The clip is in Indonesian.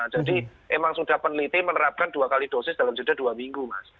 jadi emang sudah peneliti menerapkan dua kali dosis dalam jadwal dua minggu mas